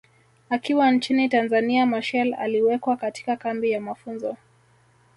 Akiwa nchini Tanzania Machel aliwekwa katika kambi ya mafunzo